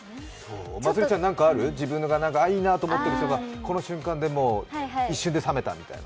まつりちゃん、なんかある、いいなと思ってる人がこの瞬間で一瞬で冷めたみたいな。